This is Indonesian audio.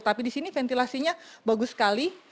tapi disini ventilasinya bagus sekali